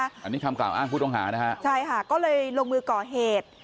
อันนี้คำต่างอ้างพุทธวงศานะครับใช่ค่ะก็เลยลงมือก่อเหตุ